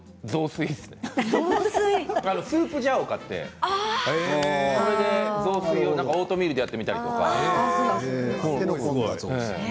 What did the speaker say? スープジャーを買って雑炊をオートミールでやってみたりとか。